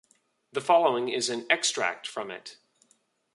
The following is an extract from it.